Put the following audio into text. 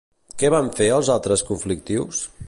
Què van fer els altres conflictius?